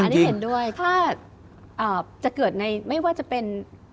ถ้าจะเกิดในไม่ว่าจะเป็น